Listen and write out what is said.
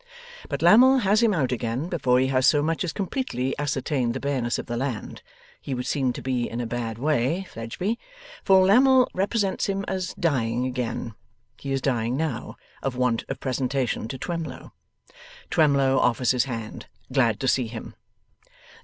But Lammle has him out again before he has so much as completely ascertained the bareness of the land. He would seem to be in a bad way, Fledgeby; for Lammle represents him as dying again. He is dying now, of want of presentation to Twemlow. Twemlow offers his hand. Glad to see him.